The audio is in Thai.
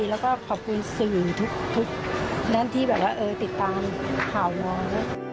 แล้วก็ขอบคุณสื่อทุกนั่นที่แบบว่าติดตามข่าวน้อง